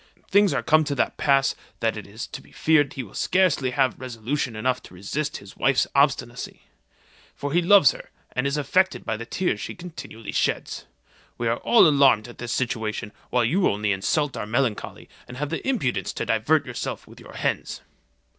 Things are come to that pass, that it is to be feared he will scarcely have resolution enough to resist his wife's obstinacy; for he loves her, and is affected by the tears she continually sheds. We are all alarmed at his situation, while you only insult our melancholy, and have the impudence to divert yourself with your hens."